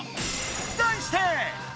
題して！